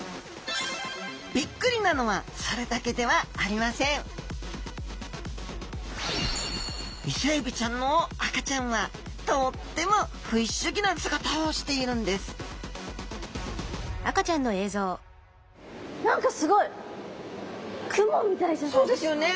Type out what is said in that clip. ビックリなのはそれだけではありませんイセエビちゃんの赤ちゃんはとっても不思議な姿をしているんです何かすごいそうですよね。